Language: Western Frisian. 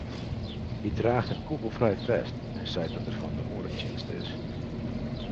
Hy draacht in kûgelfrij fest en seit dat er fan de oardertsjinst is.